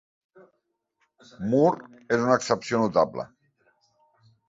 Moore és una excepció notable.